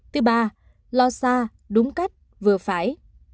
thứ ba lo xa đúng cách vừa phải